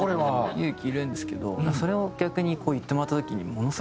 勇気いるんですけどそれを逆に言ってもらった時にものすごくうれしくて。